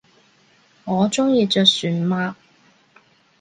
我中意着船襪